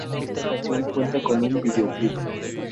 Esta canción cuenta con videoclip.